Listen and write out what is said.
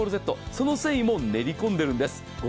その繊維も練り込んでいるんです。